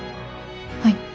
はい。